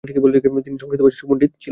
তিনি সংস্কৃত ভাষায় সুপণ্ডিত ছিলেন।